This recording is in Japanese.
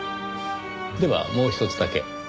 ではもうひとつだけ。